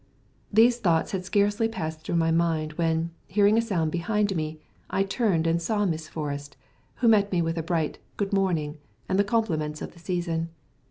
These thoughts had scarcely passed through my mind when, hearing a sound behind me, I turned and saw Miss Forrest, who met me with a bright "Good morning" and the compliments of the season.